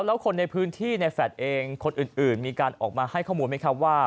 แล้วคนในพื้นที่ในแฟลตเองคนอื่นมีการออกมาให้ข้อมูลไหมครับว่า